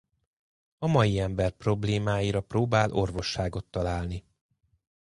A mai ember problémáira próbál orvosságot találni.